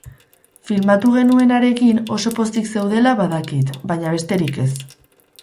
Filmatu genuenarekin oso pozik zeudela badakit, baina besterik ez.